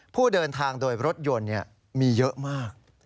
ผู้เดินทางโดยรถยนต์มีเยอะมาก